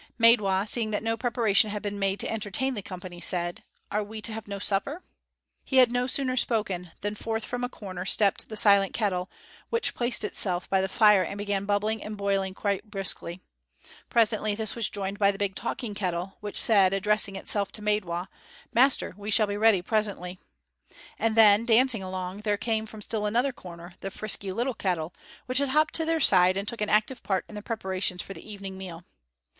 Maidwa, seeing that no preparation had been made to entertain the company, said, "Are we to have no supper?" He had no sooner spoken, than forth from a corner stepped the silent kettle, which placed itself by the fire and began bubbling and boiling quite briskly. Presently this was joined by the big talking kettle, which said, addressing itself to Maidwa, "Master, we shall be ready presently." And then, dancing along, there came from still another corner the frisky little kettle, which hopped to their side and took an active part in the preparations for the evening meal.